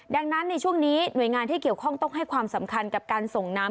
ดังนั้นในช่วงนี้หน่วยงานที่เกี่ยวข้องต้องให้ความสำคัญกับการส่งน้ำ